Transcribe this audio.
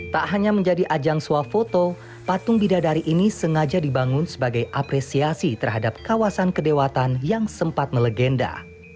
tak hanya menjadi ajang suah foto patung bidadari ini sengaja dibangun sebagai apresiasi terhadap kawasan kedewatan yang sempat melegenda